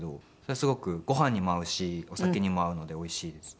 すごくご飯にも合うしお酒にも合うのでおいしいですね。